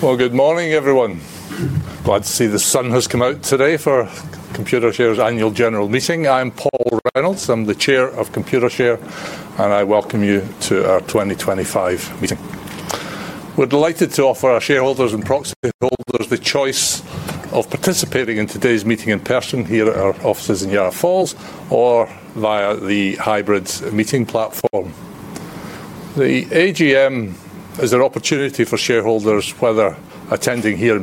Good morning, everyone. Glad to see the sun has come out today for Computershare's annual general meeting. I'm Paul Reynolds. I'm the Chair of Computershare, and I welcome you to our 2025 meeting. We're delighted to offer our shareholders and proxy holders the choice of participating in today's meeting in person here at our offices in Yarra Falls, or via the hybrid meeting platform. The AGM is an opportunity for shareholders, whether attending here in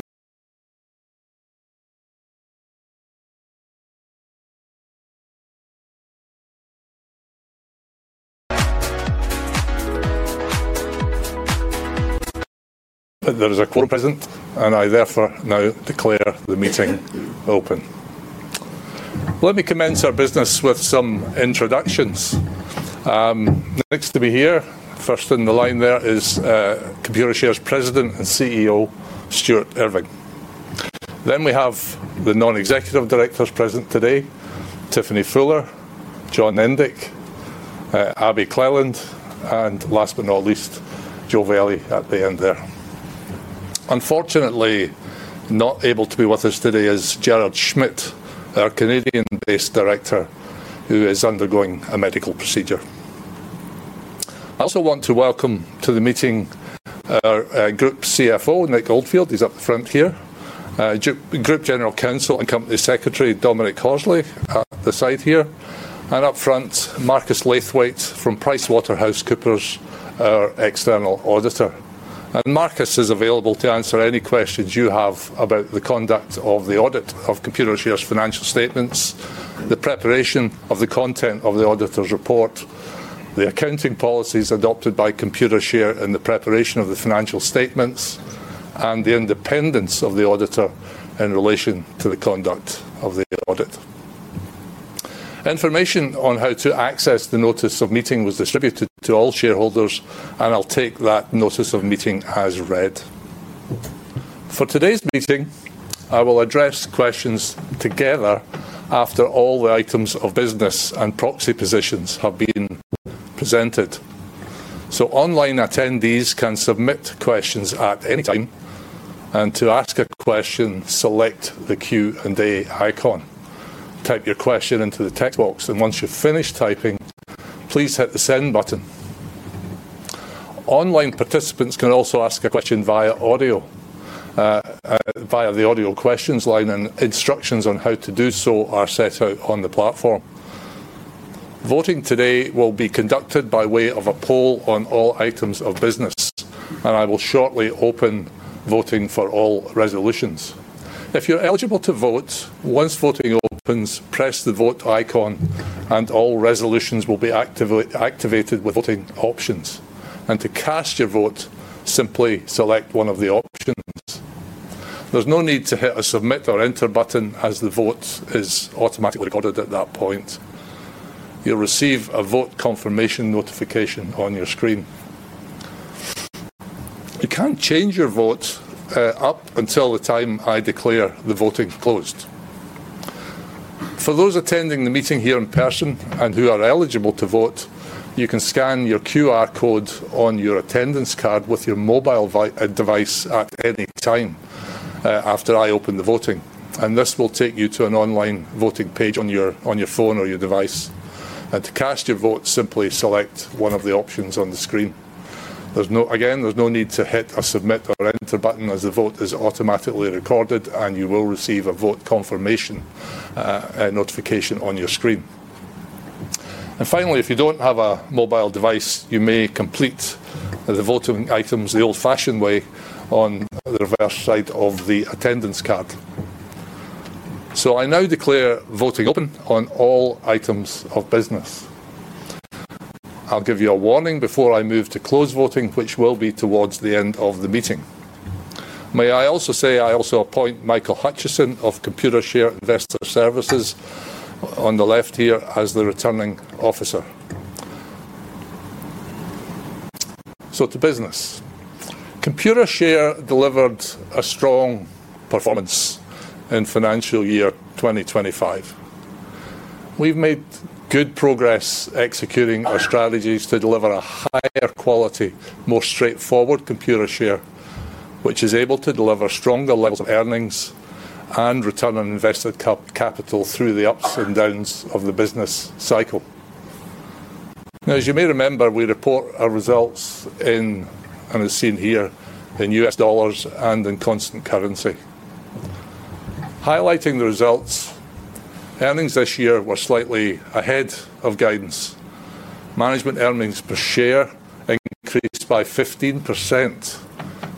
person or online. There is a co-president, and I therefore now declare the meeting open. Let me commence our business with some introductions. It's nice to be here. First in the line there is Computershare's President and CEO, Stuart Irving. Then we have the non-executive directors present today: Tiffany Fuller, John Nendick, Abby Cleland, and last but not least, Joe Velli at the end there. Unfortunately, not able to be with us today is Gerrard Schmid, our Canadian-based director, who is undergoing a medical procedure. I also want to welcome to the meeting our Group CFO, Nick Oldfield. He's up front here. Group General Counsel and Company Secretary, Dominic Horsley, at the side here. Up front, Marcus Laithwaite from PricewaterhouseCoopers, our External Auditor. Marcus is available to answer any questions you have about the conduct of the audit of Computershare's financial statements, the preparation of the content of the auditor's report, the accounting policies adopted by Computershare in the preparation of the financial statements, and the independence of the auditor in relation to the conduct of the audit. Information on how to access the notice of meeting was distributed to all shareholders, and I'll take that notice of meeting as read. For today's meeting, I will address questions together after all the items of business and proxy positions have been presented. Online attendees can submit questions at any time, and to ask a question, select the Q&A icon. Type your question into the text box, and once you've finished typing, please hit the send button. Online participants can also ask a question via the audio questions line, and instructions on how to do so are set out on the platform. Voting today will be conducted by way of a poll on all items of business. I will shortly open voting for all resolutions. If you're eligible to vote, once voting opens, press the vote icon, and all resolutions will be activated with voting options. To cast your vote, simply select one of the options. is no need to hit a submit or enter button, as the vote is automatically recorded at that point. You will receive a vote confirmation notification on your screen. You can change your vote up until the time I declare the voting closed. For those attending the meeting here in person and who are eligible to vote, you can scan your QR code on your attendance card with your mobile device at any time after I open the voting. This will take you to an online voting page on your phone or your device. To cast your vote, simply select one of the options on the screen. Again, there is no need to hit a submit or enter button, as the vote is automatically recorded, and you will receive a vote confirmation notification on your screen. Finally, if you do not have a mobile device, you may complete the voting items the old-fashioned way on the reverse side of the attendance card. I now declare voting open on all items of business. I will give you a warning before I move to close voting, which will be towards the end of the meeting. May I also say I also appoint Michael Hutchison of Computershare Investor Services on the left here as the returning officer. To business. Computershare delivered a strong performance in financial year 2025. We have made good progress executing our strategies to deliver a higher quality, more straightforward Computershare, which is able to deliver stronger levels of earnings and return on invested capital through the ups and downs of the business cycle. As you may remember, we report our results in, and as seen here, in U.S. dollars and in constant currency. Highlighting the results, earnings this year were slightly ahead of guidance. Management earnings per share increased by 15%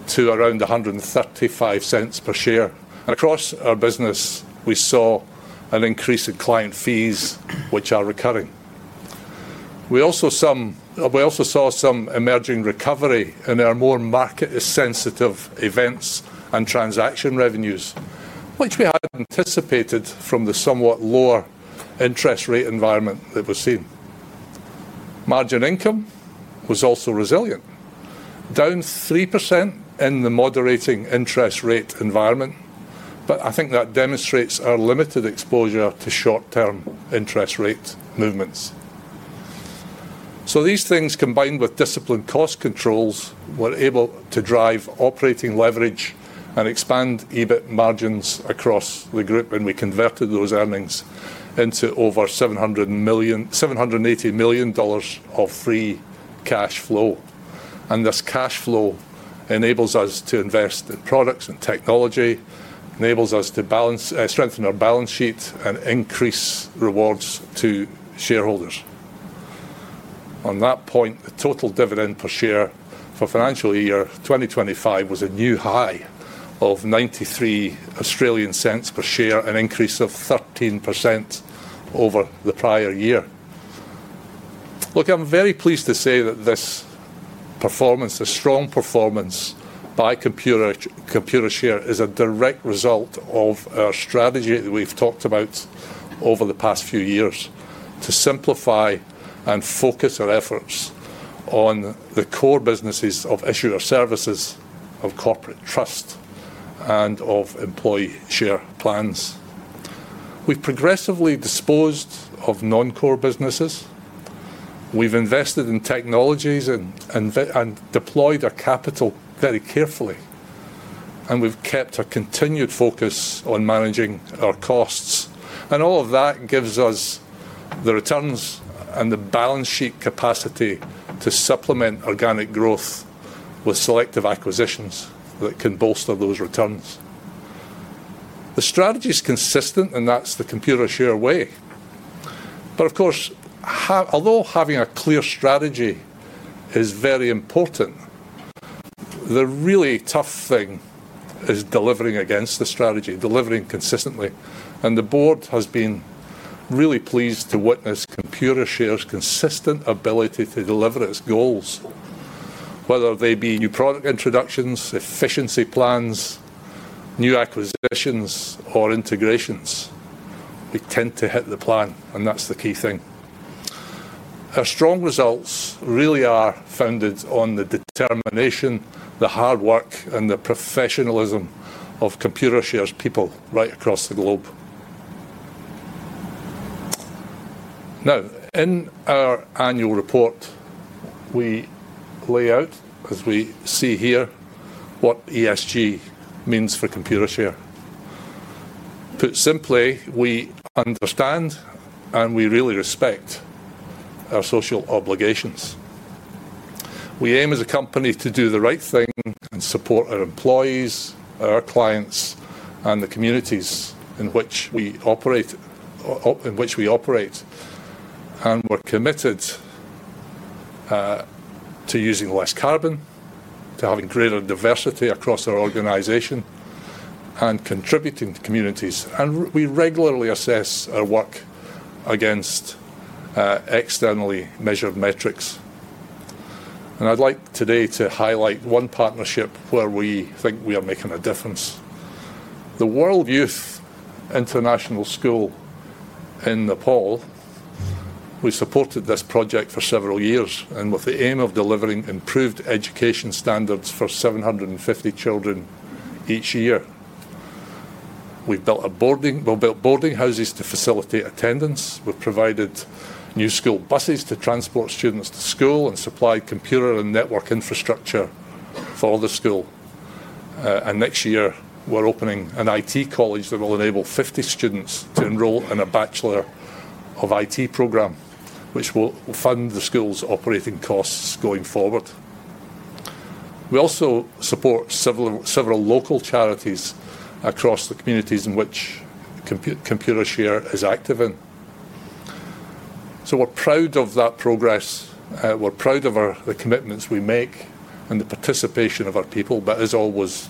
to around AUD 1.35 per share. Across our business, we saw an increase in client fees, which are recurring. We also saw some emerging recovery in our more market-sensitive events and transaction revenues, which we had anticipated from the somewhat lower interest rate environment that we have seen. Margin income was also resilient, down 3% in the moderating interest rate environment, but I think that demonstrates our limited exposure to short-term interest rate movements. These things, combined with disciplined cost controls, were able to drive operating leverage and expand EBIT margins across the group, and we converted those earnings into over $780 million of free cash flow. This cash flow enables us to invest in products and technology, enables us to strengthen our balance sheet and increase rewards to shareholders. On that point, the total dividend per share for financial year 2025 was a new high of 0.93 per share, an increase of 13% over the prior year. Look, I'm very pleased to say that this performance, a strong performance by Computershare, is a direct result of our strategy that we've talked about over the past few years to simplify and focus our efforts on the core businesses of issuer services, of corporate trust, and of employee share plans. We've progressively disposed of non-core businesses. We've invested in technologies and deployed our capital very carefully, and we've kept a continued focus on managing our costs. All of that gives us the returns and the balance sheet capacity to supplement organic growth with selective acquisitions that can bolster those returns. The strategy is consistent, and that's the Computershare way. Of course, although having a clear strategy is very important, the really tough thing is delivering against the strategy, delivering consistently. The board has been really pleased to witness Computershare's consistent ability to deliver its goals, whether they be new product introductions, efficiency plans, new acquisitions, or integrations. We tend to hit the plan, and that's the key thing. Our strong results really are founded on the determination, the hard work, and the professionalism of Computershare's people right across the globe. Now, in our annual report, we lay out, as we see here, what ESG means for Computershare. Put simply, we understand and we really respect our social obligations. We aim as a company to do the right thing and support our employees, our clients, and the communities in which we operate, and we are committed to using less carbon, to having greater diversity across our organization, and contributing to communities. We regularly assess our work against externally measured metrics. I would like today to highlight one partnership where we think we are making a difference: the World Youth International School in Nepal. We supported this project for several years with the aim of delivering improved education standards for 750 children each year. We have built boarding houses to facilitate attendance. We have provided new school buses to transport students to school and supplied computer and network infrastructure for the school. Next year, we are opening an IT college that will enable 50 students to enroll in a Bachelor of IT program, which will fund the school's operating costs going forward. We also support several local charities across the communities in which Computershare is active in. We are proud of that progress. We are proud of the commitments we make and the participation of our people. As always,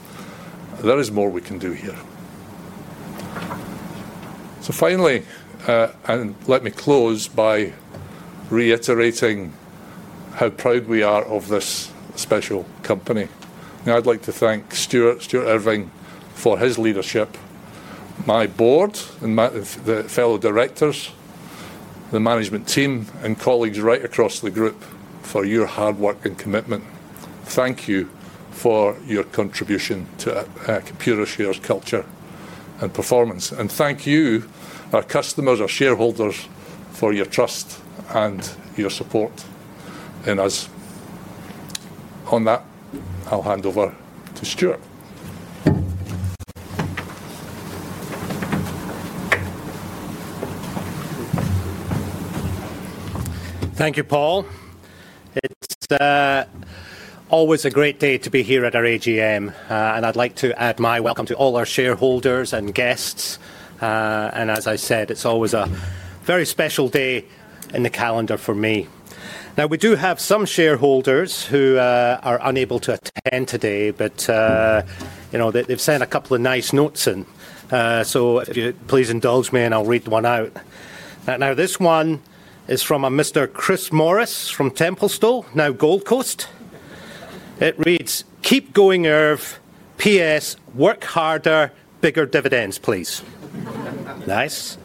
there is more we can do here. Finally, let me close by reiterating how proud we are of this special company. I would like to thank Stuart Irving for his leadership, my board, the fellow directors, the management team, and colleagues right across the group for your hard work and commitment. Thank you for your contribution to Computershare's culture and performance. Thank you, our customers, our shareholders, for your trust and your support. On that, I will hand over to Stuart. Thank you, Paul. It's always a great day to be here at our AGM, and I'd like to add my welcome to all our shareholders and guests. As I said, it's always a very special day in the calendar for me. Now, we do have some shareholders who are unable to attend today, but they've sent a couple of nice notes in. If you please indulge me, I'll read one out. This one is from Mr. Chris Morris from Gold Coast. It reads, "Keep going, Irv. P.S., work harder, bigger dividends, please." Nice.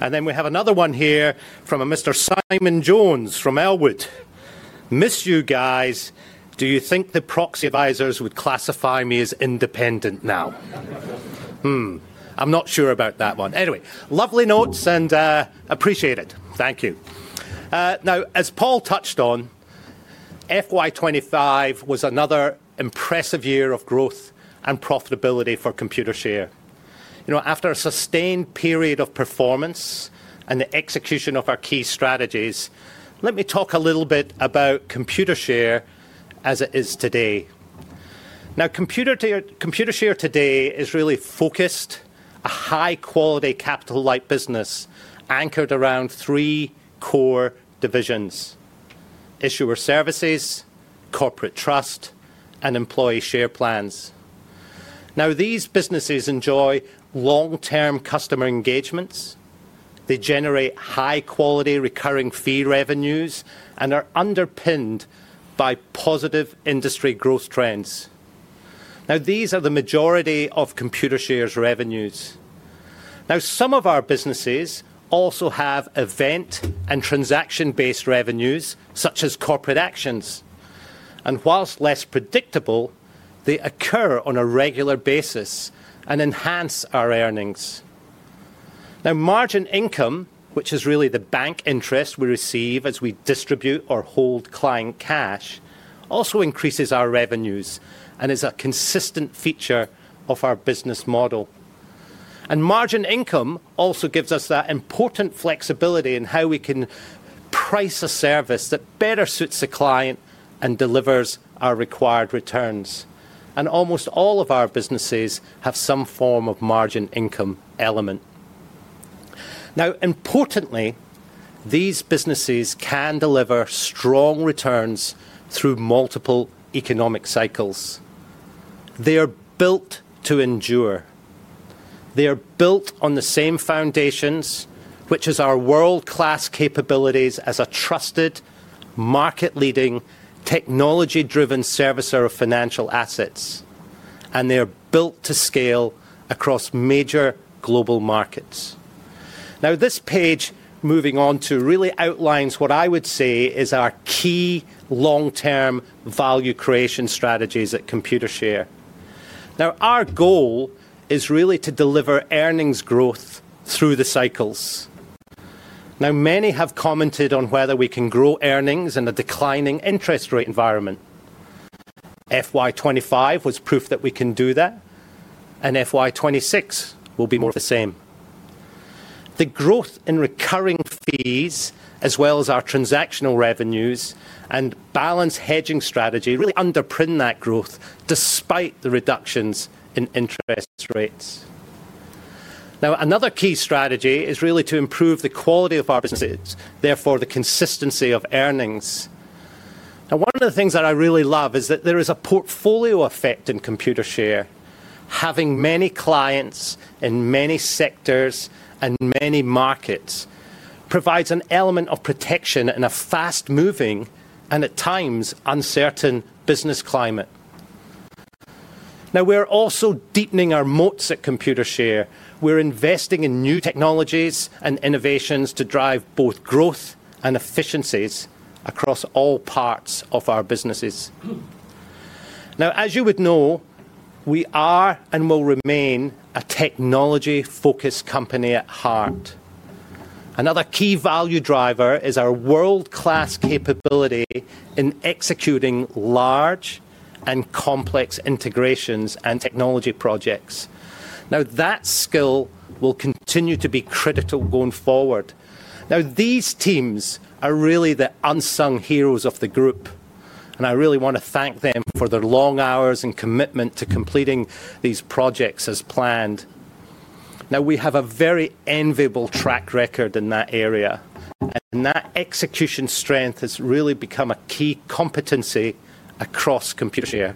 Then we have another one here from Mr. Simon Jones from Elwood. "Miss you, guys. Do you think the proxy advisors would classify me as independent now?" I'm not sure about that one. Anyway, lovely notes and appreciate it. Thank you. Now, as Paul touched on, FY2025 was another impressive year of growth and profitability for Computershare. After a sustained period of performance and the execution of our key strategies, let me talk a little bit about Computershare as it is today. Now, Computershare today is really focused on a high-quality capital-light business anchored around three core divisions: issuer services, corporate trust, and employee share plans. Now, these businesses enjoy long-term customer engagements. They generate high-quality recurring fee revenues and are underpinned by positive industry growth trends. Now, these are the majority of Computershare's revenues. Now, some of our businesses also have event and transaction-based revenues, such as corporate actions. And whilst less predictable, they occur on a regular basis and enhance our earnings. Now, margin income, which is really the bank interest we receive as we distribute or hold client cash, also increases our revenues and is a consistent feature of our business model. Margin income also gives us that important flexibility in how we can price a service that better suits the client and delivers our required returns. Almost all of our businesses have some form of margin income element. Importantly, these businesses can deliver strong returns through multiple economic cycles. They are built to endure. They are built on the same foundations, which is our world-class capabilities as a trusted, market-leading, technology-driven servicer of financial assets. They are built to scale across major global markets. This page moving on to really outlines what I would say is our key long-term value creation strategies at Computershare. Now, our goal is really to deliver earnings growth through the cycles. Now, many have commented on whether we can grow earnings in a declining interest rate environment. FY2025 was proof that we can do that, and FY2026 will be more of the same. The growth in recurring fees, as well as our transactional revenues and balance hedging strategy, really underpin that growth despite the reductions in interest rates. Now, another key strategy is really to improve the quality of our businesses, therefore the consistency of earnings. Now, one of the things that I really love is that there is a portfolio effect in Computershare. Having many clients in many sectors and many markets provides an element of protection in a fast-moving and at times uncertain business climate. Now, we're also deepening our moats at Computershare. We're investing in new technologies and innovations to drive both growth and efficiencies across all parts of our businesses. Now, as you would know, we are and will remain a technology-focused company at heart. Another key value driver is our world-class capability in executing large and complex integrations and technology projects. That skill will continue to be critical going forward. These teams are really the unsung heroes of the group, and I really want to thank them for their long hours and commitment to completing these projects as planned. We have a very enviable track record in that area, and that execution strength has really become a key competency across Computershare.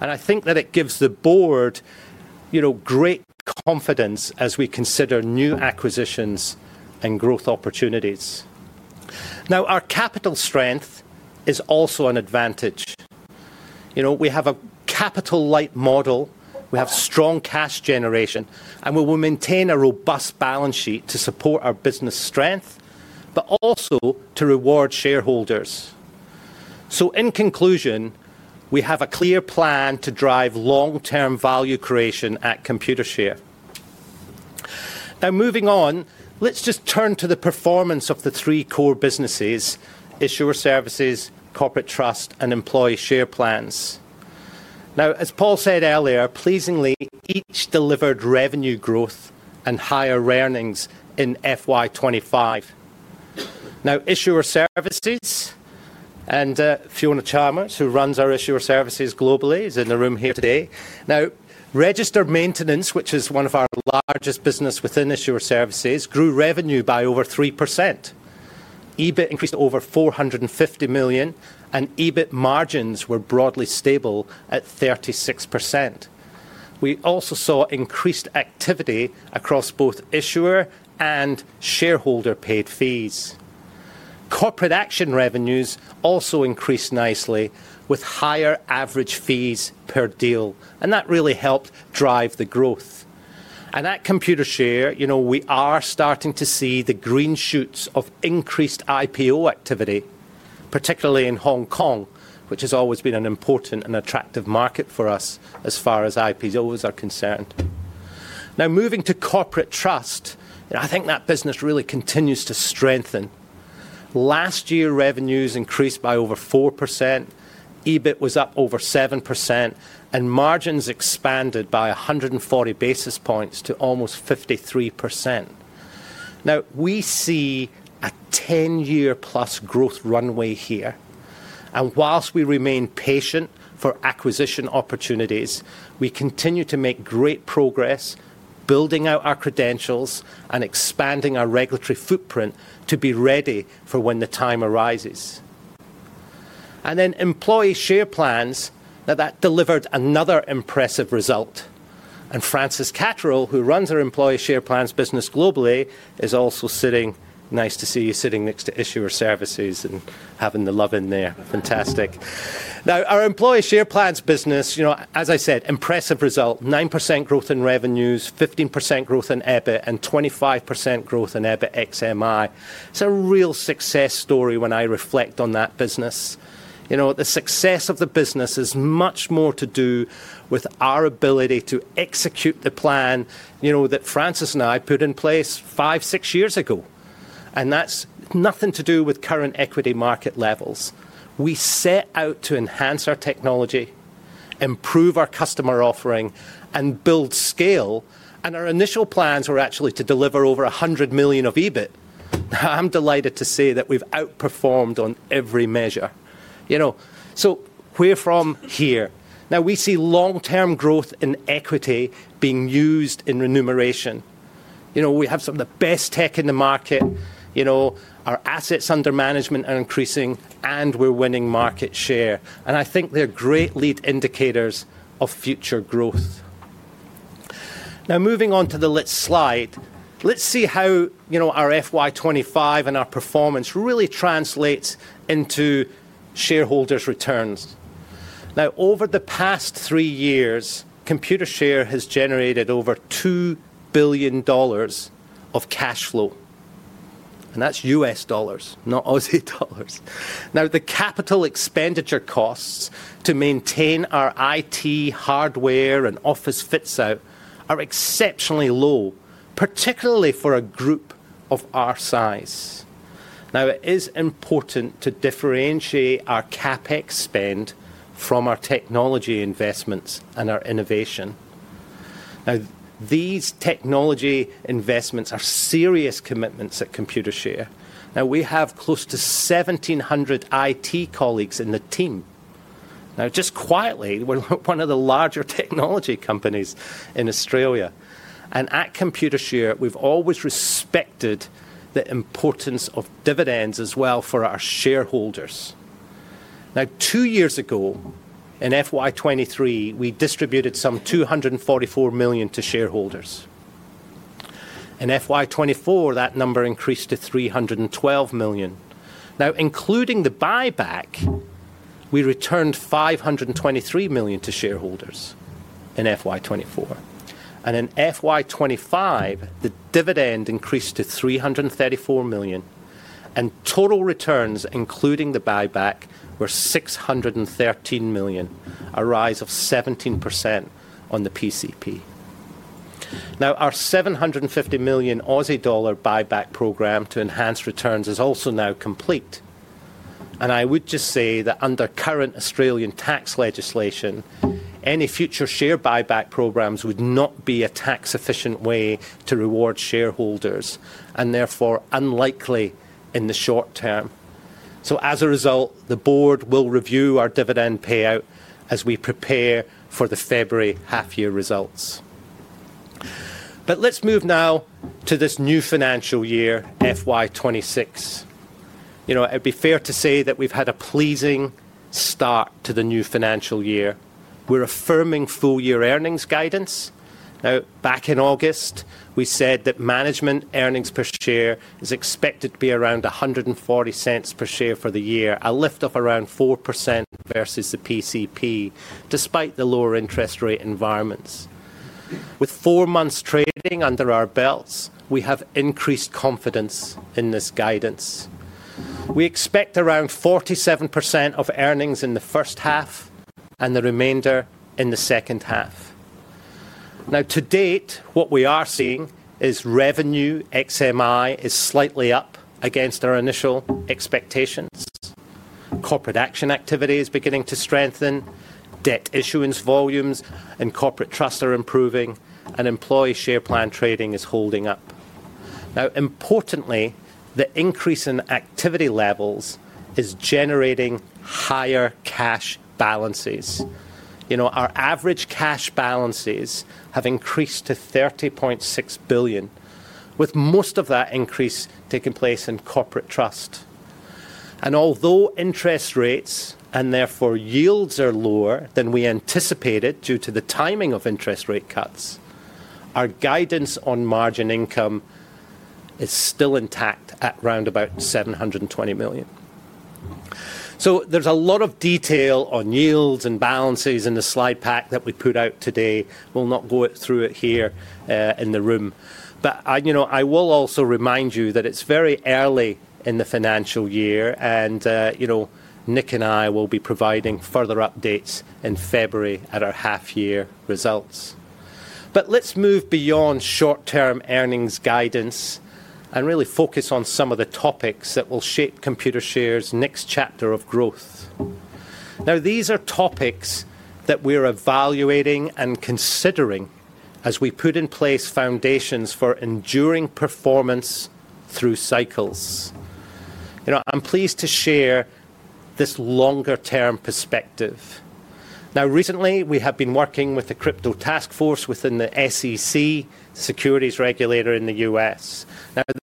I think that it gives the board great confidence as we consider new acquisitions and growth opportunities. Our capital strength is also an advantage. We have a capital-light model. We have strong cash generation, and we will maintain a robust balance sheet to support our business strength, but also to reward shareholders. In conclusion, we have a clear plan to drive long-term value creation at Computershare. Now, moving on, let's just turn to the performance of the three core businesses: issuer services, corporate trust, and employee share plans. As Paul said earlier, pleasingly, each delivered revenue growth and higher earnings in FY2025. Issuer services, and Fiona Chalmers, who runs our issuer services globally, is in the room here today. Registered maintenance, which is one of our largest businesses within issuer services, grew revenue by over 3%. EBIT increased to over $450 million, and EBIT margins were broadly stable at 36%. We also saw increased activity across both issuer and shareholder-paid fees. Corporate action revenues also increased nicely with higher average fees per deal, and that really helped drive the growth. At Computershare, we are starting to see the green shoots of increased IPO activity, particularly in Hong Kong, which has always been an important and attractive market for us as far as IPOs are concerned. Now, moving to corporate trust, I think that business really continues to strengthen. Last year, revenues increased by over 4%. EBIT was up over 7%, and margins expanded by 140 basis points to almost 53%. We see a 10-year-plus growth runway here. Whilst we remain patient for acquisition opportunities, we continue to make great progress building out our credentials and expanding our regulatory footprint to be ready for when the time arises. Employee share plans delivered another impressive result. Francis Catterall, who runs our employee share plans business globally, is also sitting. Nice to see you sitting next to issuer services and having the love in there. Fantastic. Our employee share plans business, as I said, impressive result: 9% growth in revenues, 15% growth in EBIT, and 25% growth in EBIT XMI. It is a real success story when I reflect on that business. The success of the business is much more to do with our ability to execute the plan that Francis and I put in place five, six years ago. That is nothing to do with current equity market levels. We set out to enhance our technology, improve our customer offering, and build scale. Our initial plans were actually to deliver over $100 million of EBIT. I am delighted to say that we have outperformed on every measure. We are from here. Now, we see long-term growth in equity being used in remuneration. We have some of the best tech in the market. Our assets under management are increasing, and we're winning market share. I think they're great lead indicators of future growth. Now, moving on to the slide, let's see how our FY2025 and our performance really translates into shareholders' returns. Over the past three years, Computershare has generated over $2 billion of cash flow. That's U.S dollars, not Australian dollars. The capital expenditure costs to maintain our IT hardware and office fits out are exceptionally low, particularly for a group of our size. It is important to differentiate our CapEx spend from our technology investments and our innovation. These technology investments are serious commitments at Computershare. We have close to 1,700 IT colleagues in the team. Now, just quietly, we're one of the larger technology companies in Australia. And at Computershare, we've always respected the importance of dividends as well for our shareholders. Now, two years ago, in FY2023, we distributed some $244 million to shareholders. In FY2024, that number increased to $312 million. Now, including the buyback, we returned $523 million to shareholders in FY2024. And in FY2025, the dividend increased to $334 million. And total returns, including the buyback, were $613 million, a rise of 17% on the PCP. Now, our 750 million Aussie dollar buyback program to enhance returns is also now complete. And I would just say that under current Australian tax legislation, any future share buyback programs would not be a tax-efficient way to reward shareholders and therefore unlikely in the short term. As a result, the board will review our dividend payout as we prepare for the February half-year results. Let's move now to this new financial year, FY2026. It would be fair to say that we've had a pleasing start to the new financial year. We're affirming full-year earnings guidance. Now, back in August, we said that management earnings per share is expected to be around $1.40 per share for the year, a lift of around 4% versus the PCP, despite the lower interest rate environments. With four months trading under our belts, we have increased confidence in this guidance. We expect around 47% of earnings in the first half and the remainder in the second half. To date, what we are seeing is revenue XMI is slightly up against our initial expectations. Corporate action activity is beginning to strengthen. Debt issuance volumes and corporate trust are improving, and employee share plan trading is holding up. Now, importantly, the increase in activity levels is generating higher cash balances. Our average cash balances have increased to $30.6 billion, with most of that increase taking place in corporate trust. Although interest rates and therefore yields are lower than we anticipated due to the timing of interest rate cuts, our guidance on margin income is still intact at around $720 million. There is a lot of detail on yields and balances in the slide pack that we put out today. We will not go through it here in the room. I will also remind you that it is very early in the financial year, and Nick and I will be providing further updates in February at our half-year results. Let's move beyond short-term earnings guidance and really focus on some of the topics that will shape Computershare's next chapter of growth. Now, these are topics that we're evaluating and considering as we put in place foundations for enduring performance through cycles. I'm pleased to share this longer-term perspective. Recently, we have been working with the Crypto Task Force within the SEC, securities regulator in the U.S.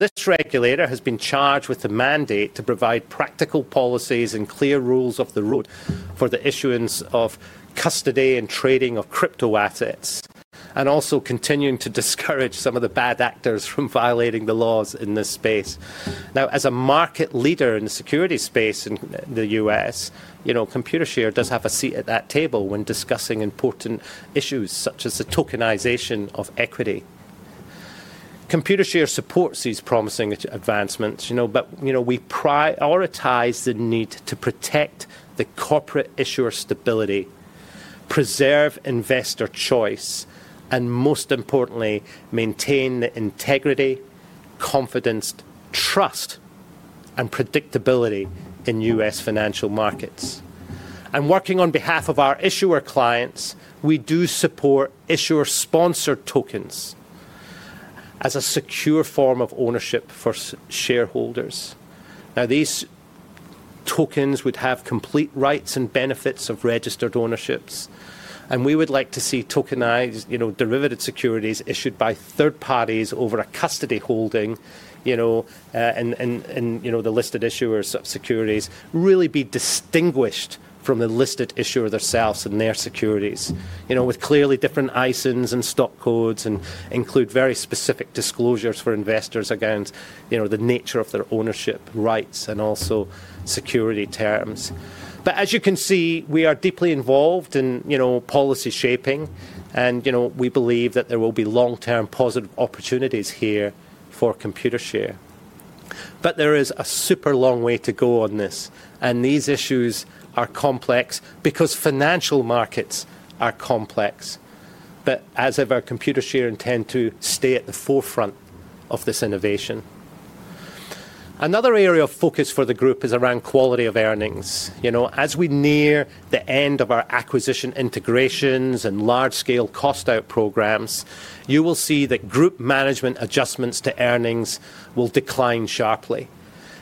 This regulator has been charged with the mandate to provide practical policies and clear rules of the road for the issuance of custody and trading of crypto assets and also continuing to discourage some of the bad actors from violating the laws in this space. As a market leader in the security space in the U.S., Computershare does have a seat at that table when discussing important issues such as the tokenization of equity. Computershare supports these promising advancements, but we prioritize the need to protect the corporate issuer stability, preserve investor choice, and most importantly, maintain the integrity, confidence, trust, and predictability in U.S. financial markets. Working on behalf of our issuer clients, we do support issuer-sponsored tokens as a secure form of ownership for shareholders. Now, these tokens would have complete rights and benefits of registered ownerships, and we would like to see tokenized derivative securities issued by third parties over a custody holding in the listed issuers of securities really be distinguished from the listed issuer themselves and their securities with clearly different ISINs and stock codes and include very specific disclosures for investors against the nature of their ownership rights and also security terms. As you can see, we are deeply involved in policy shaping, and we believe that there will be long-term positive opportunities here for Computershare. There is a super long way to go on this, and these issues are complex because financial markets are complex. As of our Computershare, we intend to stay at the forefront of this innovation. Another area of focus for the group is around quality of earnings. As we near the end of our acquisition integrations and large-scale cost-out programs, you will see that group management adjustments to earnings will decline sharply.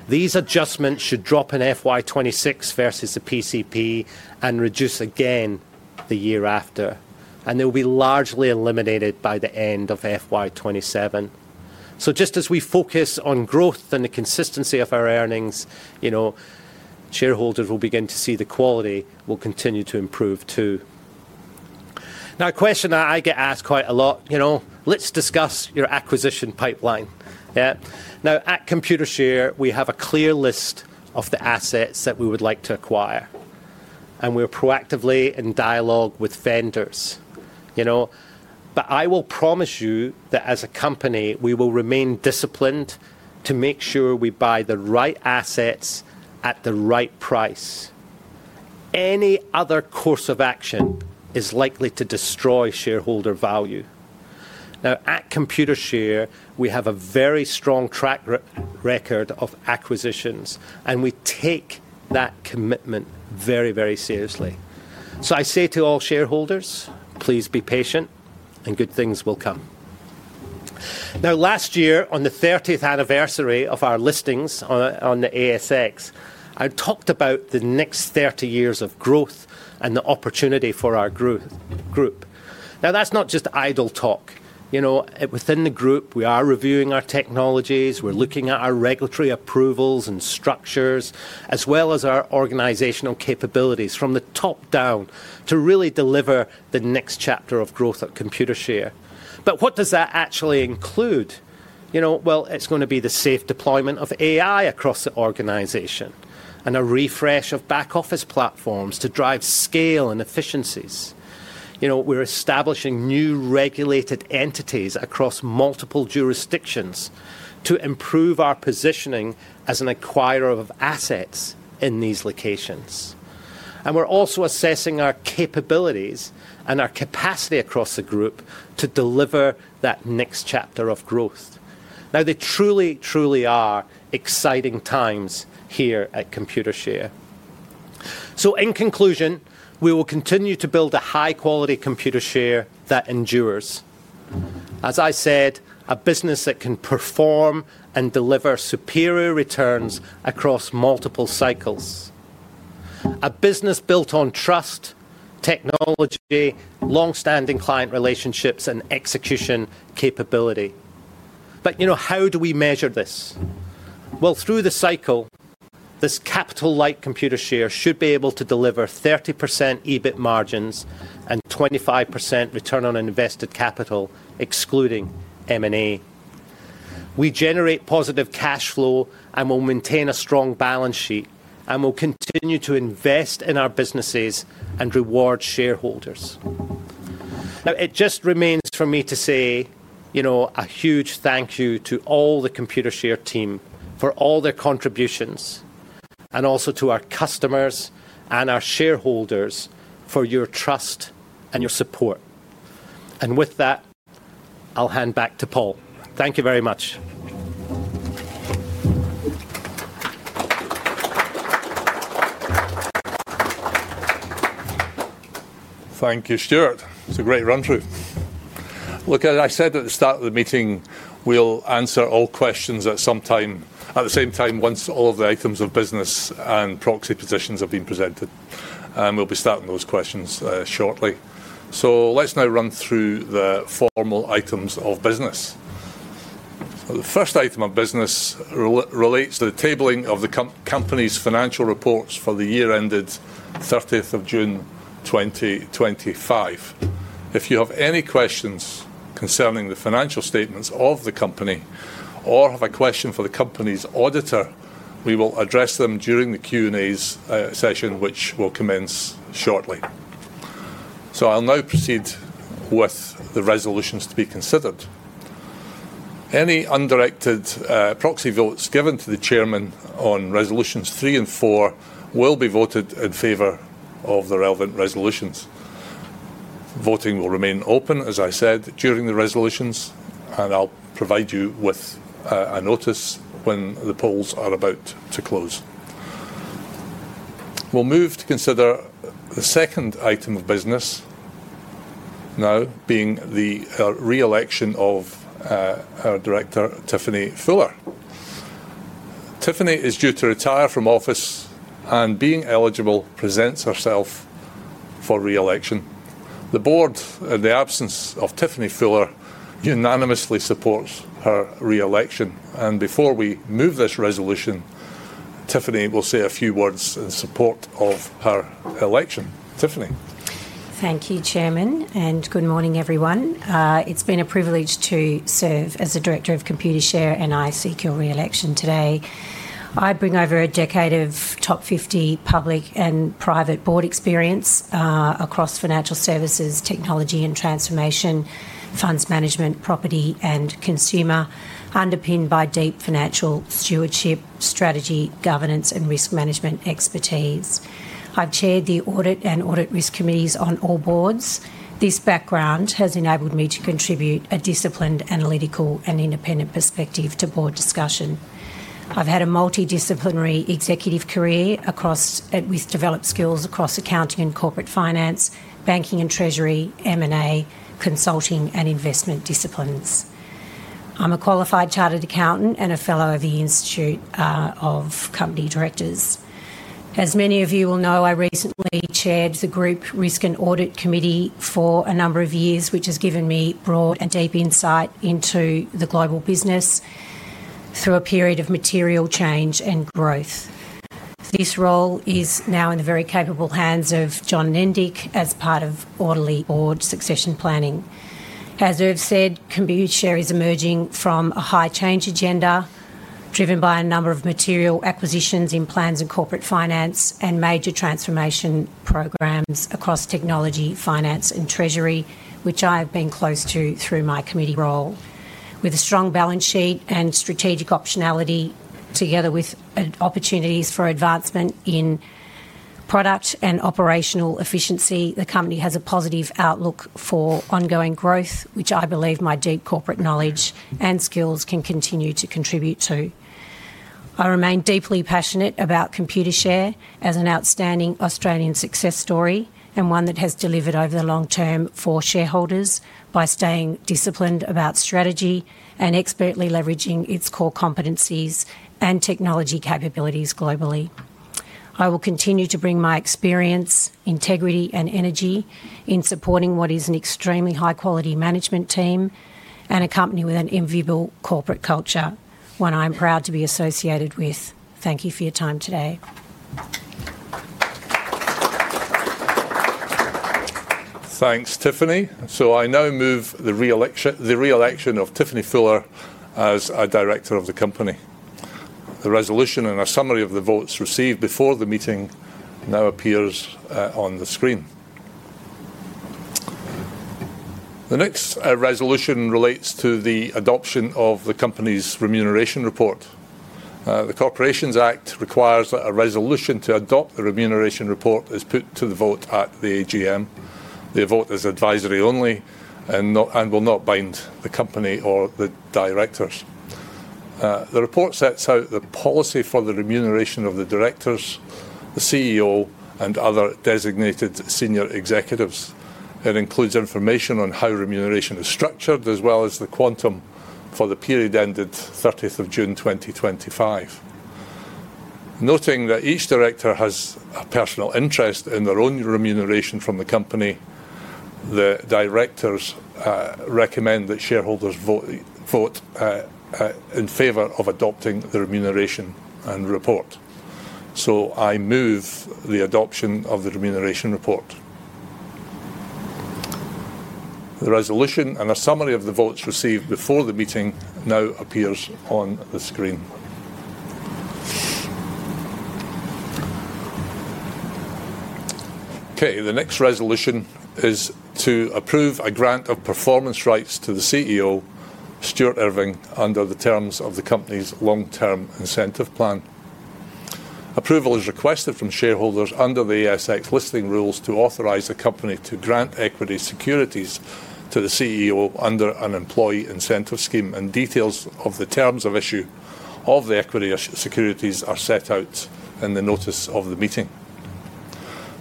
These adjustments should drop in FY2026 versus the prior comparable period and reduce again the year after, and they will be largely eliminated by the end of FY2027. Just as we focus on growth and the consistency of our earnings, shareholders will begin to see the quality will continue to improve too. Now, a question that I get asked quite a lot, "Let's discuss your acquisition pipeline." Now, at Computershare, we have a clear list of the assets that we would like to acquire, and we're proactively in dialogue with vendors. I will promise you that as a company, we will remain disciplined to make sure we buy the right assets at the right price. Any other course of action is likely to destroy shareholder value. Now, at Computershare, we have a very strong track record of acquisitions, and we take that commitment very, very seriously. I say to all shareholders, "Please be patient, and good things will come." Last year, on the 30th anniversary of our listings on the ASX, I talked about the next 30 years of growth and the opportunity for our group. That's not just idle talk. Within the group, we are reviewing our technologies. We're looking at our regulatory approvals and structures as well as our organizational capabilities from the top down to really deliver the next chapter of growth at Computershare. What does that actually include? It's going to be the safe deployment of AI across the organization and a refresh of back-office platforms to drive scale and efficiencies. We're establishing new regulated entities across multiple jurisdictions to improve our positioning as an acquirer of assets in these locations. We're also assessing our capabilities and our capacity across the group to deliver that next chapter of growth. They truly, truly are exciting times here at Computershare. In conclusion, we will continue to build a high-quality Computershare that endures. As I said, a business that can perform and deliver superior returns across multiple cycles. A business built on trust, technology, long-standing client relationships, and execution capability. How do we measure this? Through the cycle, this capital-like Computershare should be able to deliver 30% EBIT margins and 25% return on invested capital, excluding M&A. We generate positive cash flow and will maintain a strong balance sheet and will continue to invest in our businesses and reward shareholders. Now, it just remains for me to say a huge thank you to all the Computershare team for all their contributions and also to our customers and our shareholders for your trust and your support. With that, I'll hand back to Paul. Thank you very much. Thank you, Stuart. It's a great run-through. As I said at the start of the meeting, we'll answer all questions at the same time once all of the items of business and proxy positions have been presented. We will be starting those questions shortly. Let's now run through the formal items of business. The first item of business relates to the tabling of the company's financial reports for the year ended 30th of June 2025. If you have any questions concerning the financial statements of the company or have a question for the company's auditor, we will address them during the Q&A session, which will commence shortly. I'll now proceed with the resolutions to be considered. Any undirected proxy votes given to the Chairman on resolutions three and four will be voted in favor of the relevant resolutions. Voting will remain open, as I said, during the resolutions, and I'll provide you with a notice when the polls are about to close. We will move to consider the second item of business now, being the re-election of our director, Tiffany Fuller. Tiffany is due to retire from office, and being eligible presents herself for re-election. The board, in the absence of Tiffany Fuller, unanimously supports her re-election. Before we move this resolution, Tiffany will say a few words in support of her election. Tiffany. Thank you, Chairman, and good morning, everyone. It's been a privilege to serve as the director of Computershare and I seek your re-election today. I bring over a decade of top 50 public and private board experience across financial services, technology and transformation, funds management, property, and consumer, underpinned by deep financial stewardship, strategy, governance, and risk management expertise. I've chaired the audit and audit risk committees on all boards. This background has enabled me to contribute a disciplined, analytical, and independent perspective to board discussion. I've had a multidisciplinary executive career with developed skills across accounting and corporate finance, banking and treasury, M&A, consulting, and investment disciplines. I'm a qualified chartered accountant and a fellow of the Institute of Company Directors. As many of you will know, I recently chaired the Group Risk and Audit Committee for a number of years, which has given me broad and deep insight into the global business through a period of material change and growth. This role is now in the very capable hands of John Nendick as part of orderly board succession planning. As Irv said, Computershare is emerging from a high-change agenda driven by a number of material acquisitions in plans and corporate finance and major transformation programs across technology, finance, and treasury, which I have been close to through my committee role. With a strong balance sheet and strategic optionality, together with opportunities for advancement in product and operational efficiency, the company has a positive outlook for ongoing growth, which I believe my deep corporate knowledge and skills can continue to contribute to. I remain deeply passionate about Computershare as an outstanding Australian success story and one that has delivered over the long term for shareholders by staying disciplined about strategy and expertly leveraging its core competencies and technology capabilities globally. I will continue to bring my experience, integrity, and energy in supporting what is an extremely high-quality management team and a company with an enviable corporate culture, one I'm proud to be associated with. Thank you for your time today. Thanks, Tiffany. I now move the re-election of Tiffany Fuller as a director of the company. The resolution and a summary of the votes received before the meeting now appears on the screen. The next resolution relates to the adoption of the company's remuneration report. The Corporations Act requires that a resolution to adopt the remuneration report is put to the vote at the AGM. The vote is advisory only and will not bind the company or the directors. The report sets out the policy for the remuneration of the directors, the CEO, and other designated senior executives. It includes information on how remuneration is structured as well as the quantum for the period ended 30th of June 2025. Noting that each director has a personal interest in their own remuneration from the company, the directors recommend that shareholders vote in favor of adopting the remuneration report. I move the adoption of the remuneration report. The resolution and a summary of the votes received before the meeting now appears on the screen. Okay. The next resolution is to approve a grant of performance rights to the CEO, Stuart Irving, under the terms of the company's long-term incentive plan. Approval is requested from shareholders under the ASX listing rules to authorize the company to grant equity securities to the CEO under an employee incentive scheme, and details of the terms of issue of the equity securities are set out in the notice of the meeting.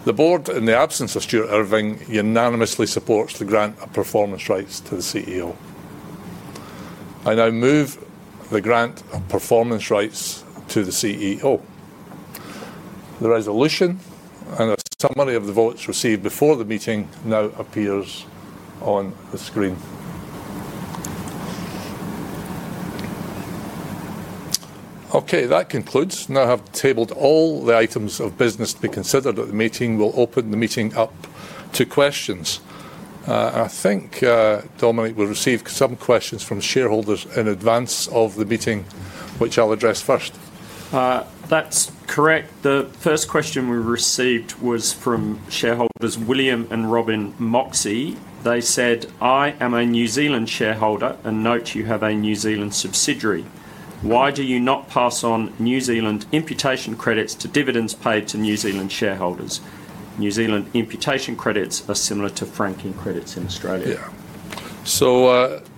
The board, in the absence of Stuart Irving, unanimously supports the grant of performance rights to the CEO. I now move the grant of performance rights to the CEO. The resolution and a summary of the votes received before the meeting now appears on the screen. Okay. That concludes. Now, I have tabled all the items of business to be considered at the meeting. We'll open the meeting up to questions. I think Dominic will receive some questions from shareholders in advance of the meeting, which I'll address first. That's correct. The first question we received was from shareholders William and Robin Moxie. They said, "I am a New Zealand shareholder, and note you have a New Zealand subsidiary. Why do you not pass on New Zealand imputation credits to dividends paid to New Zealand shareholders? New Zealand imputation credits are similar to franking credits in Australia. Yeah.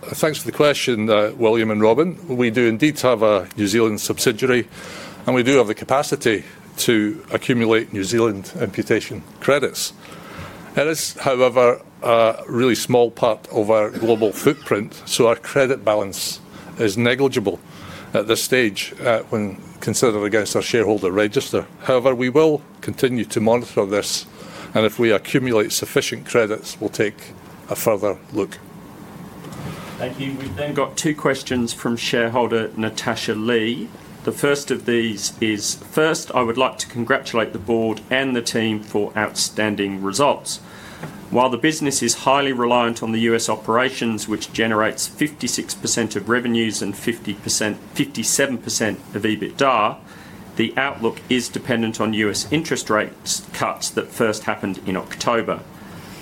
Thanks for the question, William and Robin. We do indeed have a New Zealand subsidiary, and we do have the capacity to accumulate New Zealand imputation credits. It is, however, a really small part of our global footprint, so our credit balance is negligible at this stage when considered against our shareholder register. However, we will continue to monitor this, and if we accumulate sufficient credits, we'll take a further look. Thank you. We've then got two questions from shareholder Natasha Lee. The first of these is, "First, I would like to congratulate the board and the team for outstanding results. While the business is highly reliant on the U.S. operations, which generates 56% of revenues and 57% of EBITDA, the outlook is dependent on U.S. interest rate cuts that first happened in October.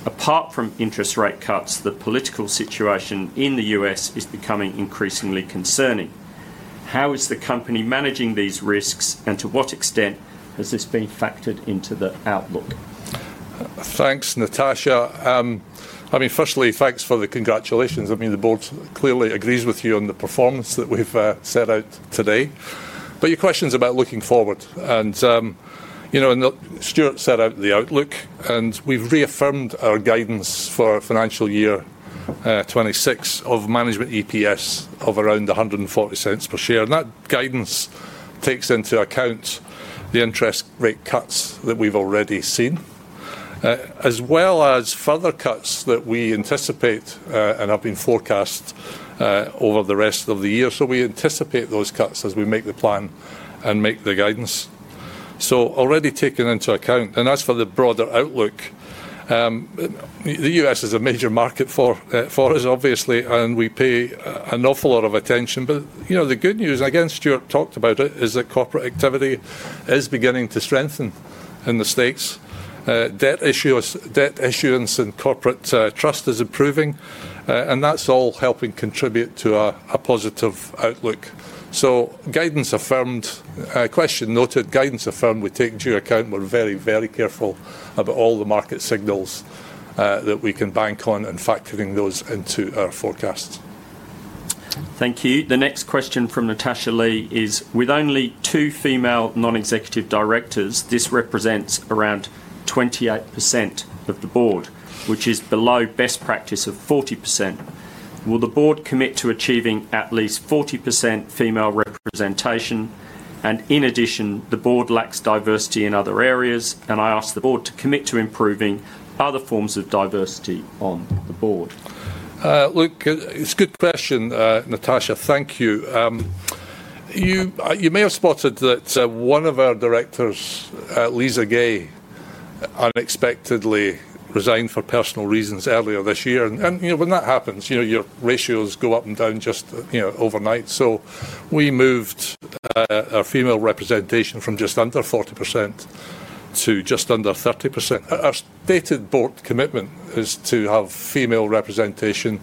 Apart from interest rate cuts, the political situation in the U.S. is becoming increasingly concerning. How is the company managing these risks, and to what extent has this been factored into the outlook? Thanks, Natasha. I mean, firstly, thanks for the congratulations. I mean, the board clearly agrees with you on the performance that we've set out today. Your question's about looking forward. Stuart set out the outlook, and we've reaffirmed our guidance for financial year 2026 of management EPS of around $1.40 per share. That guidance takes into account the interest rate cuts that we've already seen, as well as further cuts that we anticipate and have been forecast over the rest of the year. We anticipate those cuts as we make the plan and make the guidance, so already taken into account. As for the broader outlook, the U.S. is a major market for us, obviously, and we pay an awful lot of attention. The good news, and again, Stuart talked about it, is that corporate activity is beginning to strengthen in the States. Debt issuance and Corporate Trust is improving, and that's all helping contribute to a positive outlook. Guidance affirmed. Question noted. Guidance affirmed. We take into account we're very, very careful about all the market signals that we can bank on and factoring those into our forecasts. Thank you. The next question from Natasha Lee is, "With only two female non-executive directors, this represents around 28% of the board, which is below best practice of 40%. Will the board commit to achieving at least 40% female representation? In addition, the board lacks diversity in other areas, and I ask the board to commit to improving other forms of diversity on the board. Look, it's a good question, Natasha. Thank you. You may have spotted that one of our directors, Lisa Gay, unexpectedly resigned for personal reasons earlier this year. When that happens, your ratios go up and down just overnight. We moved our female representation from just under 40% to just under 30%. Our stated board commitment is to have female representation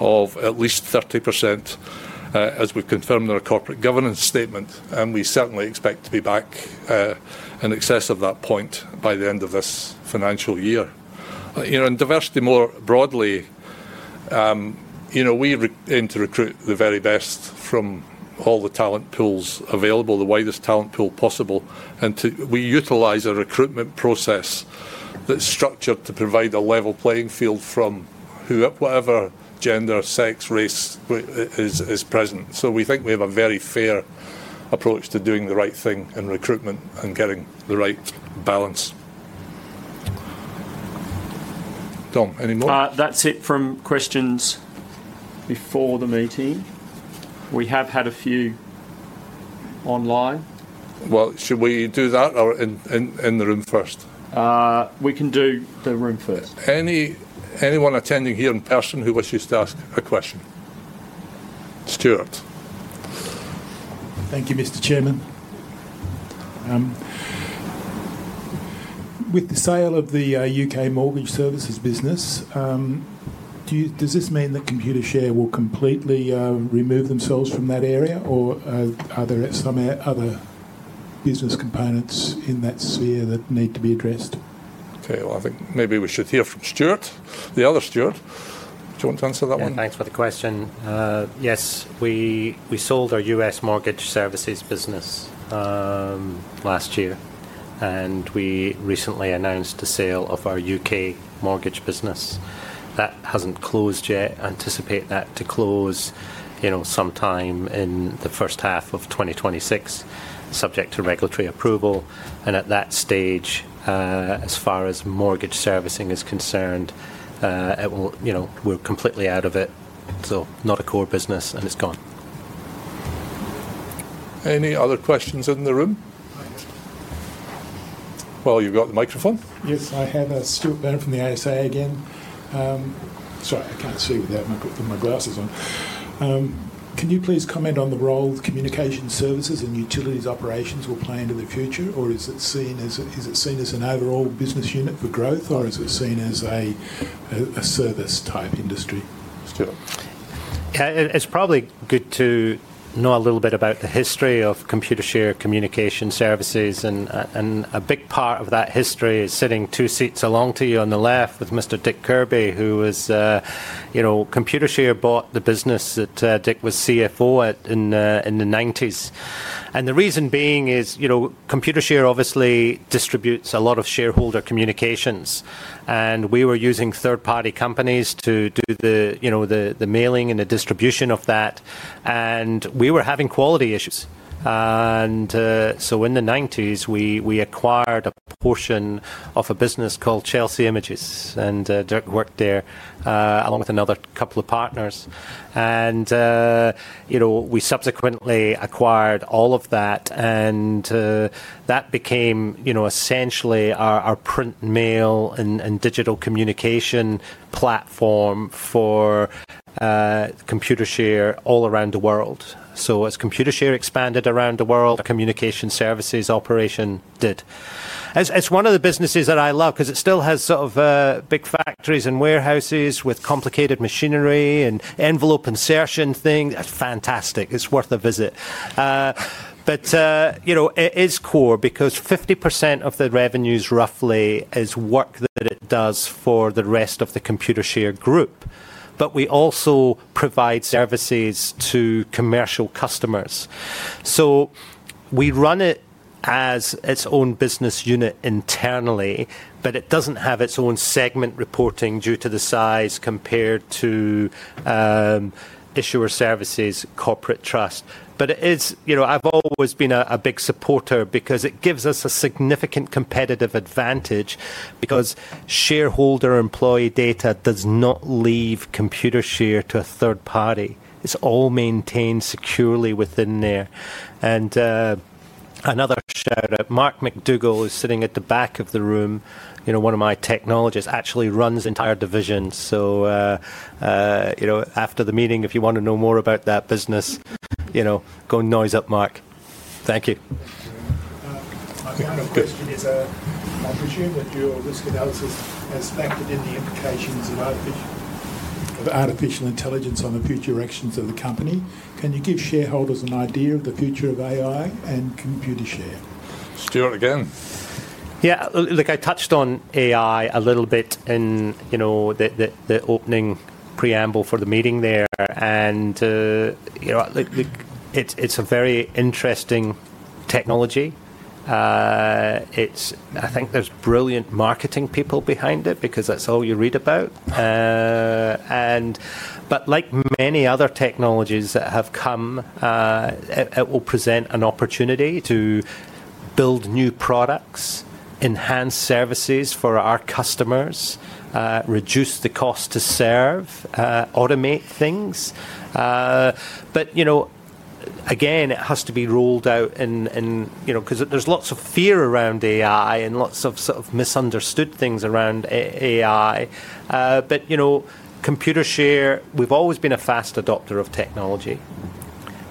of at least 30%, as we've confirmed in our corporate governance statement, and we certainly expect to be back in excess of that point by the end of this financial year. In diversity more broadly, we aim to recruit the very best from all the talent pools available, the widest talent pool possible. We utilize a recruitment process that's structured to provide a level playing field from whatever gender, sex, race is present. We think we have a very fair approach to doing the right thing in recruitment and getting the right balance. Tom, any more? That's it from questions before the meeting. We have had a few online. Should we do that or in the room first? We can do the room first. Anyone attending here in person who wishes to ask a question? Stuart. Thank you, Mr. Chairman. With the sale of the U.K. mortgage services business, does this mean that Computershare will completely remove themselves from that area, or are there some other business components in that sphere that need to be addressed? Okay. I think maybe we should hear from Stuart, the other Stuart. Do you want to answer that one? Thanks for the question. Yes, we sold our U.S. mortgage services business last year, and we recently announced the sale of our U.K. mortgage business. That has not closed yet. Anticipate that to close sometime in the first half of 2026, subject to regulatory approval. At that stage, as far as mortgage servicing is concerned, we are completely out of it. Not a core business, and it is gone. Any other questions in the room? You have the microphone. Yes, I have Stuart Burn from the OSA again. Sorry, I can't see with my glasses on. Can you please comment on the role communication services and utilities operations will play into the future, or is it seen as an overall business unit for growth, or is it seen as a service-type industry? Stuart. It's probably good to know a little bit about the history of Computershare Communication Services, and a big part of that history is sitting two seats along to you on the left with Mr. Dick Kirby, who is Computershare bought the business that Dick was CFO at in the 1990s. The reason being is Computershare obviously distributes a lot of shareholder communications, and we were using third-party companies to do the mailing and the distribution of that. We were having quality issues. In the 1990s, we acquired a portion of a business called Chelsea Images, and Dick worked there along with another couple of partners. We subsequently acquired all of that, and that became essentially our print mail and digital communication platform for Computershare all around the world. As Computershare expanded around the world, our communication services operation did. It's one of the businesses that I love because it still has sort of big factories and warehouses with complicated machinery and envelope insertion thing. That's fantastic. It's worth a visit. It is core because 50% of the revenues roughly is work that it does for the rest of the Computershare group. We also provide services to commercial customers. We run it as its own business unit internally, but it does not have its own segment reporting due to the size compared to Issuer Services Corporate Trust. I have always been a big supporter because it gives us a significant competitive advantage because shareholder employee data does not leave Computershare to a third party. It is all maintained securely within there. Another shout-out, Mark McDougall is sitting at the back of the room, one of my technologists, actually runs the entire division. After the meeting, if you want to know more about that business, go noise up Mark. Thank you. I have a question. Is [Arbitrum], the dual risk analysis, as factored in the implications of artificial intelligence on the future actions of the company, can you give shareholders an idea of the future of AI and Computershare? Stuart again. Yeah. Look, I touched on AI a little bit in the opening preamble for the meeting there. It is a very interesting technology. I think there are brilliant marketing people behind it because that is all you read about. Like many other technologies that have come, it will present an opportunity to build new products, enhance services for our customers, reduce the cost to serve, automate things. Again, it has to be rolled out because there is lots of fear around AI and lots of sort of misunderstood things around AI. Computershare, we have always been a fast adopter of technology.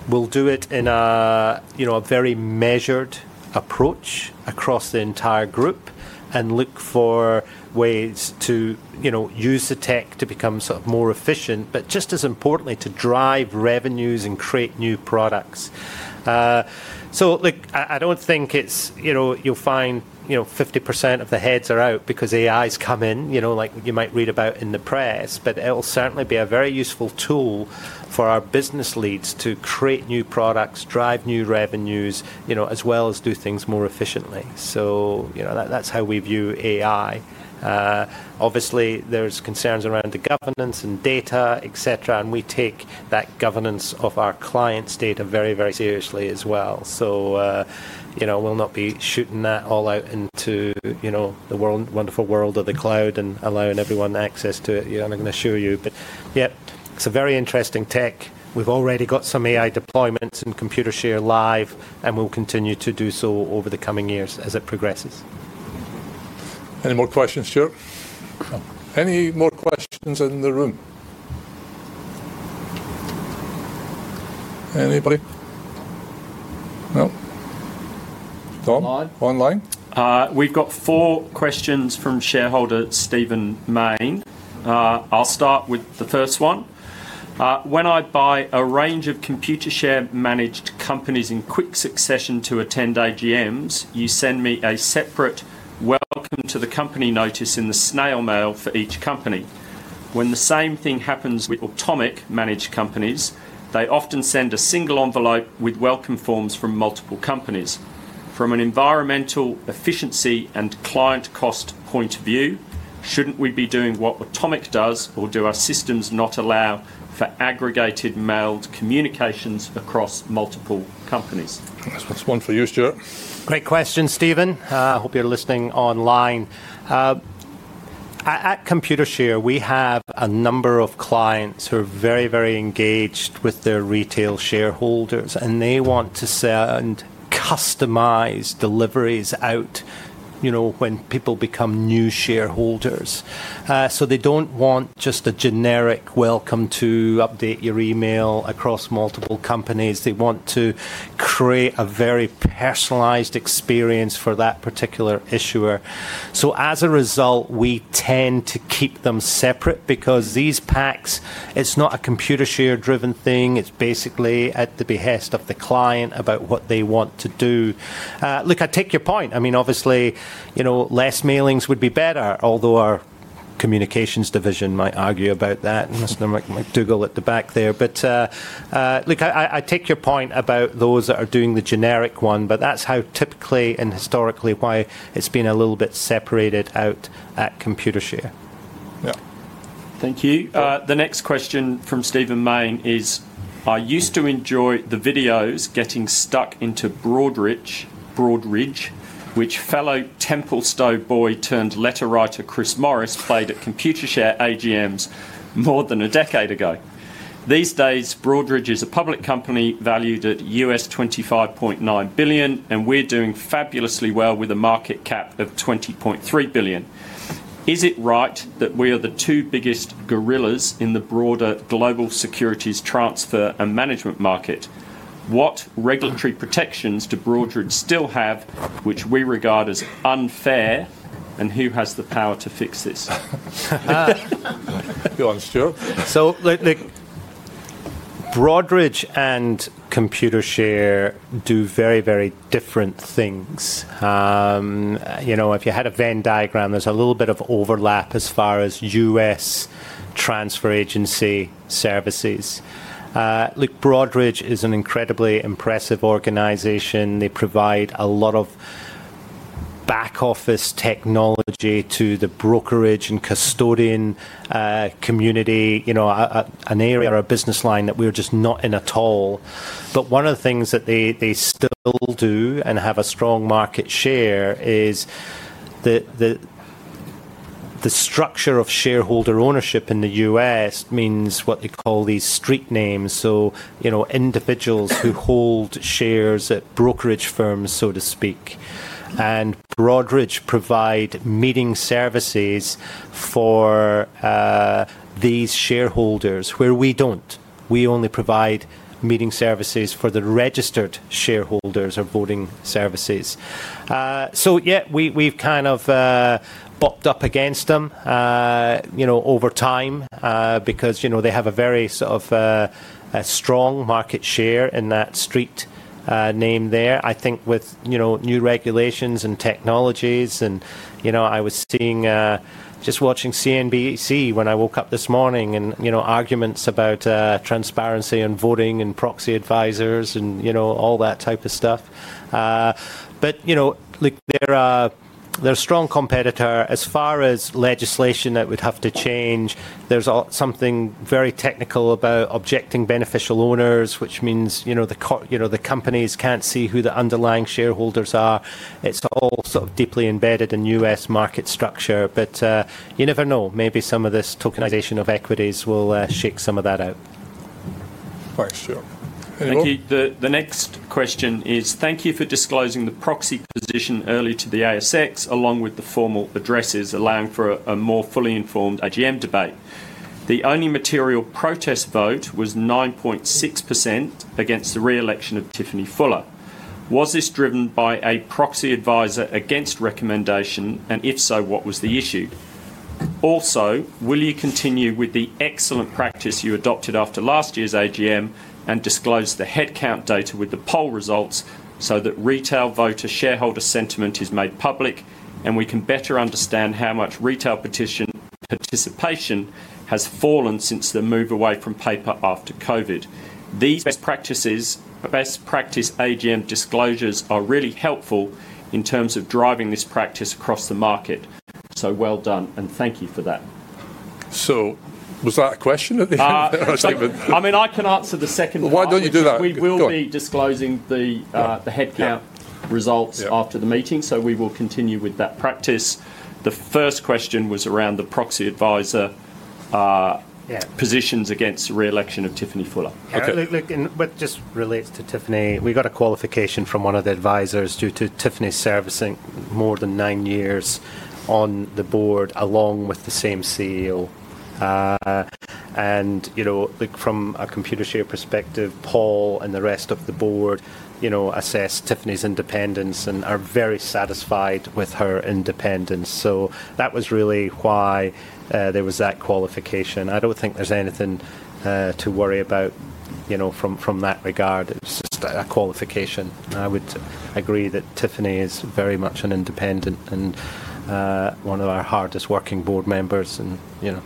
We will do it in a very measured approach across the entire group and look for ways to use the tech to become sort of more efficient, but just as importantly, to drive revenues and create new products. Look, I don't think you'll find 50% of the heads are out because AI's come in, like you might read about in the press, but it'll certainly be a very useful tool for our business leads to create new products, drive new revenues, as well as do things more efficiently. That's how we view AI. Obviously, there's concerns around the governance and data, etc., and we take that governance of our clients' data very, very seriously as well. We'll not be shooting that all out into the wonderful world of the cloud and allowing everyone access to it. I'm not going to assure you. Yeah, it's a very interesting tech. We've already got some AI deployments in Computershare Live, and we'll continue to do so over the coming years as it progresses. Any more questions, Stuart? Any more questions in the room? Anybody? No? Dom? Online? We've got four questions from shareholder Stephen Mayne. I'll start with the first one. When I buy a range of Computershare-managed companies in quick succession to attend AGMs, you send me a separate welcome-to-the-company notice in the snail mail for each company. When the same thing happens with Automic managed companies, they often send a single envelope with welcome forms from multiple companies. From an environmental efficiency and client cost point of view, shouldn't we be doing what Automic does, or do our systems not allow for aggregated mailed communications across multiple companies? That's one for you, Stuart. Great question, Stephen. I hope you're listening online. At Computershare, we have a number of clients who are very, very engaged with their retail shareholders, and they want to send customized deliveries out when people become new shareholders. They do not want just a generic welcome to update your email across multiple companies. They want to create a very personalized experience for that particular issuer. As a result, we tend to keep them separate because these packs, it is not a Computershare-driven thing. It is basically at the behest of the client about what they want to do. Look, I take your point. I mean, obviously, fewer mailings would be better, although our communications division might argue about that. I'm just going to make my doodle at the back there. I take your point about those that are doing the generic one, but that's how typically and historically why it's been a little bit separated out at Computershare. Yeah. Thank you. The next question from Stephen Mayne is, "I used to enjoy the videos getting stuck into Broadridge, which fellow Temple Stowe boy turned letter writer Chris Morris played at Computershare AGMs more than a decade ago. These days, Broadridge is a public company valued at $25.9 billion, and we're doing fabulously well with a market cap of $20.3 billion. Is it right that we are the two biggest gorillas in the broader global securities transfer and management market? What regulatory protections do Broadridge still have, which we regard as unfair, and who has the power to fix this? Go on, Stuart. Look, Broadridge and Computershare do very, very different things. If you had a Venn diagram, there's a little bit of overlap as far as U.S. transfer agency services. Look, Broadridge is an incredibly impressive organization. They provide a lot of back-office technology to the brokerage and custodian community, an area or a business line that we're just not in at all. One of the things that they still do and have a strong market share is that the structure of shareholder ownership in the U.S. means what they call these street names, so individuals who hold shares at brokerage firms, so to speak. Broadridge provides meeting services for these shareholders, where we don't. We only provide meeting services for the registered shareholders or voting services. Yeah, we've kind of bucked up against them over time because they have a very sort of strong market share in that street name there. I think with new regulations and technologies, and I was seeing just watching CNBC when I woke up this morning and arguments about transparency and voting and proxy advisors and all that type of stuff. Look, they're a strong competitor. As far as legislation that would have to change, there's something very technical about objecting beneficial owners, which means the companies can't see who the underlying shareholders are. It's all sort of deeply embedded in U.S. market structure. You never know. Maybe some of this tokenization of equities will shake some of that out. Thanks, Stuart. Thank you. The next question is, "Thank you for disclosing the proxy position early to the ASX along with the formal addresses allowing for a more fully informed AGM debate. The only material protest vote was 9.6% against the re-election of Tiffany Fuller. Was this driven by a proxy advisor against recommendation, and if so, what was the issue? Also, will you continue with the excellent practice you adopted after last year's AGM and disclose the headcount data with the poll results so that retail voter shareholder sentiment is made public, and we can better understand how much retail participation has fallen since the move away from paper after COVID? These best practices AGM disclosures are really helpful in terms of driving this practice across the market. So well done, and thank you for that. Was that a question at the end? I mean, I can answer the second part. Why don't you do that? We will be disclosing the headcount results after the meeting, so we will continue with that practice. The first question was around the proxy advisor positions against the re-election of Tiffany Fuller. Okay. Look, what just relates to Tiffany, we got a qualification from one of the advisors due to Tiffany servicing more than nine years on the board along with the same CEO. Look, from a Computershare perspective, Paul and the rest of the board assess Tiffany's independence and are very satisfied with her independence. That was really why there was that qualification. I do not think there is anything to worry about from that regard. It is just a qualification. I would agree that Tiffany is very much an independent and one of our hardest working board members. You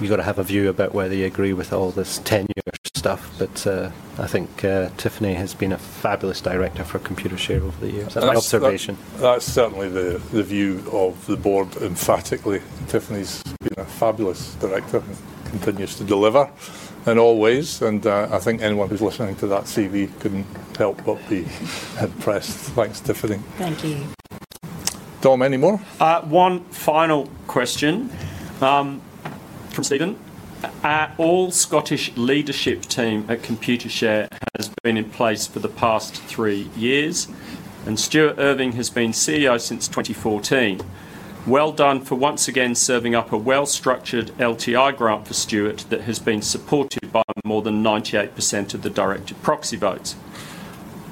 have got to have a view about whether you agree with all this tenure stuff. I think Tiffany has been a fabulous director for Computershare over the years. That is my observation. That's certainly the view of the board emphatically. Tiffany's been a fabulous director and continues to deliver in all ways. I think anyone who's listening to that CV couldn't help but be impressed. Thanks, Tiffany. Thank you. Tom, any more? One final question from Stephen. Our all-Scottish leadership team at Computershare has been in place for the past three years, and Stuart Irving has been CEO since 2014. Well done for once again serving up a well-structured LTI grant for Stuart that has been supported by more than 98% of the directed proxy votes.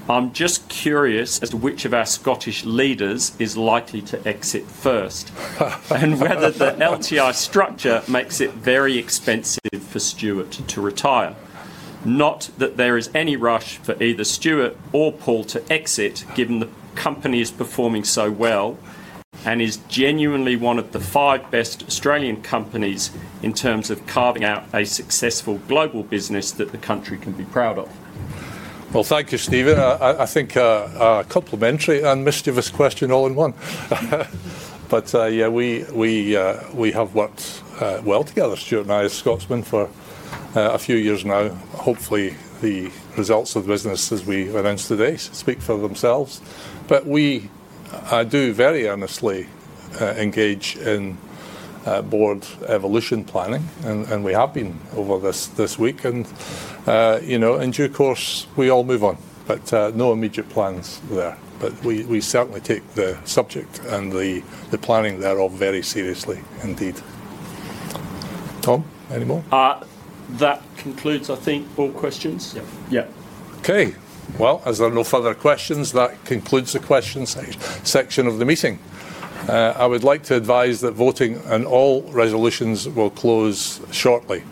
I'm just curious as to which of our Scottish leaders is likely to exit first and whether the LTI structure makes it very expensive for Stuart to retire. Not that there is any rush for either Stuart or Paul to exit given the company is performing so well and is genuinely one of the five best Australian companies in terms of carving out a successful global business that the country can be proud of. Thank you, Stephen. I think a complimentary and mischievous question all in one. Yeah, we have worked well together, Stuart and I, Scotsman, for a few years now. Hopefully, the results of the business, as we announced today, speak for themselves. We do very earnestly engage in board evolution planning, and we have been over this week. In due course, we all move on, but no immediate plans there. We certainly take the subject and the planning thereof very seriously, indeed. Dom, any more? That concludes, I think, all questions. Yeah. Okay. As there are no further questions, that concludes the questions section of the meeting. I would like to advise that voting on all resolutions will close shortly,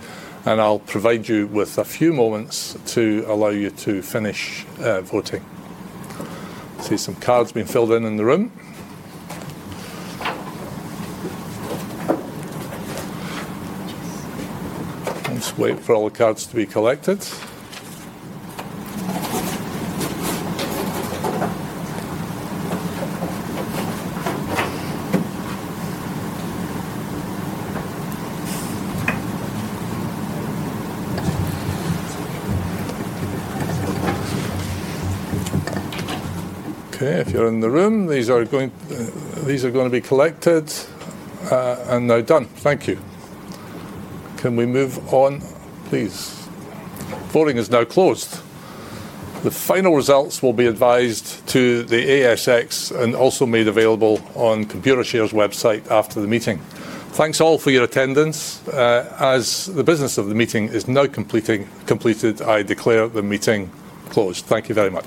and I'll provide you with a few moments to allow you to finish voting. I see some cards being filled in in the room. Let's wait for all the cards to be collected. Okay. If you're in the room, these are going to be collected and now done. Thank you. Can we move on? Please. Voting is now closed. The final results will be advised to the ASX and also made available on Computershare's website after the meeting. Thanks all for your attendance. As the business of the meeting is now completed, I declare the meeting closed. Thank you very much.